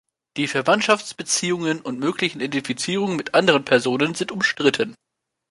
Die Verwandtschaftsbeziehungen und möglichen Identifizierungen mit anderen Personen sind umstritten.